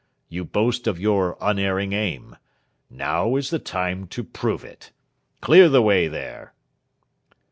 You boast of your unerring aim. Now is the time to prove it. Clear the way there!"